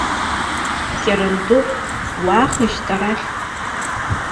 Кьарантыхә, уаахеишьт арахь.